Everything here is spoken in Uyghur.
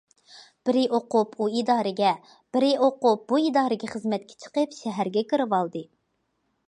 بىرى ئوقۇپ ئۇ ئىدارىگە، بىرى ئوقۇپ بۇ ئىدارىگە خىزمەتكە چىقىپ، شەھەرگە كىرىۋالدى.